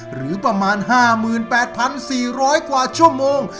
หรือประมาณ๕๘๔๐๐กว่าชั่วโมง